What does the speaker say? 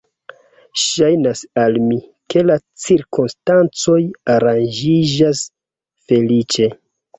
Ŝajnas al mi, ke la cirkonstancoj aranĝiĝas feliĉe.